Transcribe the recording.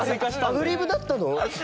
アドリブだったの！？